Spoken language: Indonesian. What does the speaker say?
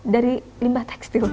dari limbah tekstil